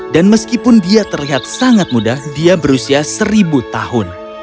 dan meskipun dia terlihat sangat muda dia berusia seribu tahun